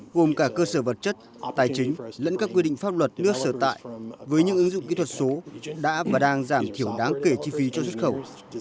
gồm cả cơ sở vật chất tài chính lẫn các quy định pháp luật nước sở tại với những ứng dụng kỹ thuật số đã và đang giảm thiểu đáng kể chi phí cho xuất khẩu